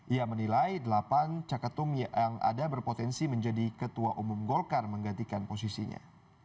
ia menilai delapan caketum yang ada berpotensi menjadi ketua umum golkar menggantikan posisinya